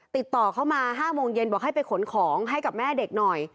ติดต่อเข้ามา๕โมงเย็นบอกให้ไปขนของให้กับแม่เด็กหน่อย